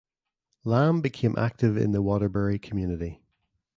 Lamb became active in the Waterbury community.